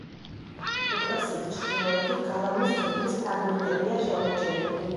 ეკლესიის ჩრდილოეთით გალავნის კედლის ფრაგმენტებია შემორჩენილი.